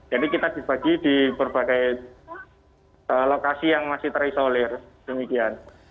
jadi kita dibagi di berbagai lokasi yang masih terisolir demikian